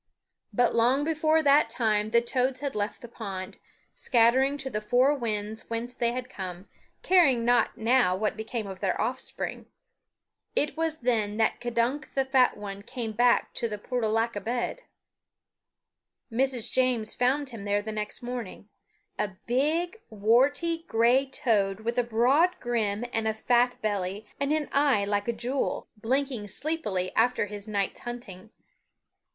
But long before that time the toads had left the pond, scattering to the four winds whence they had come, caring not now what became of their offspring. It was then that K'dunk the Fat One came back to the portulaca bed. Mrs. James found him there the next morning a big, warty gray toad with a broad grin and a fat belly and an eye like a jewel blinking sleepily after his night's hunting.